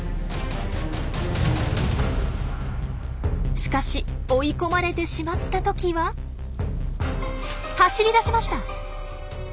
しかし追い込まれてしまった時は走り出しました！